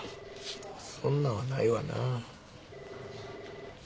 そんなんはないわなあ。